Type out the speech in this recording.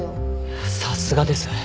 さすがです。